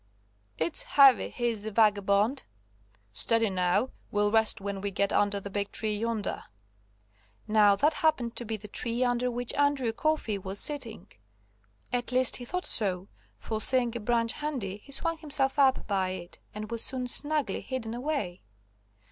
"It's heavy he is the vagabond." "Steady now, we'll rest when we get under the big tree yonder." Now that happened to be the tree under which Andrew Coffey was sitting. At least he thought so, for seeing a branch handy he swung himself up by it, and was soon snugly hidden away.